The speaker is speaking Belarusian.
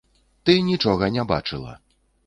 Ты нічога не бачыла!